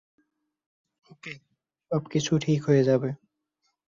ওকে, সবকিছু ঠিক হয়ে যাবে।